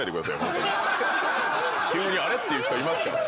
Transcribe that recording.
急にあれ？っていう人いますから。